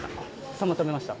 サンマ食べました？